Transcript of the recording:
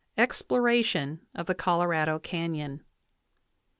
EXPLORATION OF THE COLORADO CANYON..